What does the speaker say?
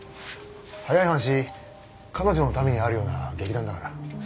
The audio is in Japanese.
早い話彼女のためにあるような劇団だから。